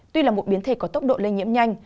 tuy là một biến thể có tốc độ lây nhiễm nhanh